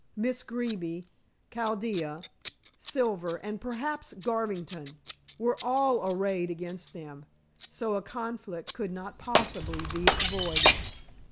Miss Greeby, Chaldea, Silver, and perhaps Garvington, were all arrayed against them, so a conflict could not possibly be avoided.